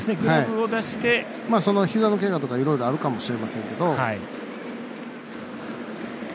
ひざのけがとか、いろいろあるかもしれませんけど。